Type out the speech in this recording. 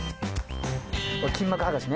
筋膜はがしね。